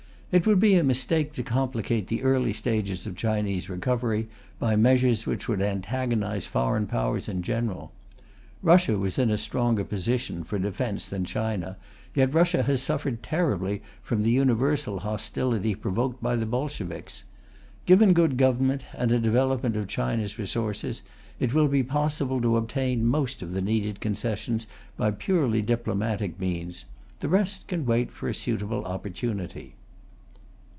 It would be a mistake to complicate the early stages of Chinese recovery by measures which would antagonize foreign Powers in general. Russia was in a stronger position for defence than China, yet Russia has suffered terribly from the universal hostility provoked by the Bolsheviks. Given good government and a development of China's resources, it will be possible to obtain most of the needed concessions by purely diplomatic means; the rest can wait for a suitable opportunity.